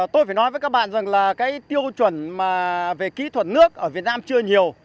tôi phải nói với các bạn rằng là cái tiêu chuẩn về kỹ thuật nước ở việt nam chưa nhiều